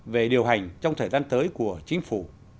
về điều hành trong thời gian tới của chính phủ